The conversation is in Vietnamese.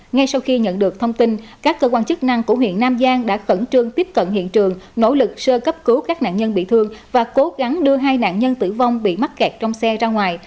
ngay sau khi nhận được thông tin các cơ quan chức năng của huyện nam giang đã khẩn trương tiếp cận hiện trường nỗ lực sơ cấp cứu các nạn nhân bị thương và cố gắng đưa hai nạn nhân tử vong bị mắc kẹt trong xe ra ngoài